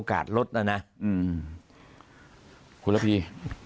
คุณพี่